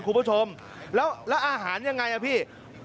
คุณผู้ชมแล้วอาหารยังไงอ่ะพี่